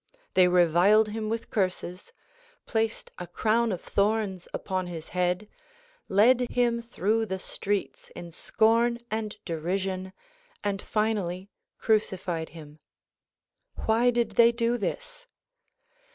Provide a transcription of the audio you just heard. They reviled him with curses, placed a crown of thorns upon his head, led him through the streets in scorn and derision and finally crucified him. Why did they do this?